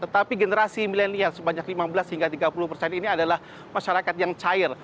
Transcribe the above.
tetapi generasi milenial sebanyak lima belas hingga tiga puluh persen ini adalah masyarakat yang cair